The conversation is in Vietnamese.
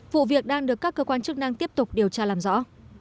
vụ việc đang được các cơ quan chức năng tiếp tục điều tra làm rõ